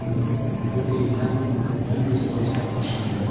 Бер инһәм, мәңге сығасаҡ башым юҡ.